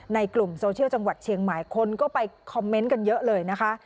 กลุ่มโซเชียลจังหวัดเชียงใหม่คนก็ไปคอมเมนต์กันเยอะเลยนะคะ